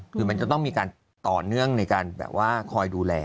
คือมันจะต้องมีการต่อเนื่องในการแบบว่าคอยดูแล